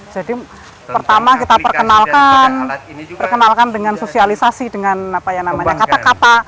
jadi pertama kita perkenalkan perkenalkan dengan sosialisasi dengan apa yang namanya kata kata